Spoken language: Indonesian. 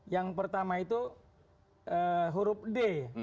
yang pertama itu huruf d